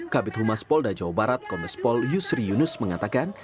kabit humas polda jawa barat kombespol yusri yunus mengatakan